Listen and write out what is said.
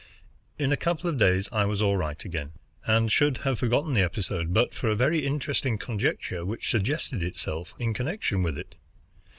In a couple of days I was all right again, and should soon have forgotten the episode but for a very interesting conjecture which had suggested itself in connection with it.